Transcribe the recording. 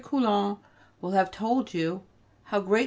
Coulon will have told you how greatly M.